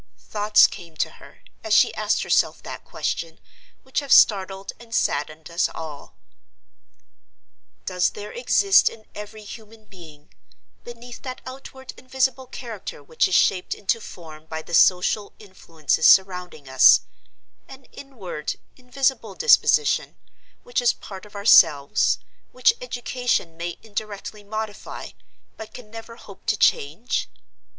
Thoughts came to her, as she asked herself that question, which have startled and saddened us all. Does there exist in every human being, beneath that outward and visible character which is shaped into form by the social influences surrounding us, an inward, invisible disposition, which is part of ourselves, which education may indirectly modify, but can never hope to change?